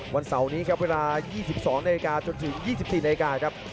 วันเสาร์นี้ครับเวลา๒๒๐๐ณจนถึง๒๔๐๐นครับ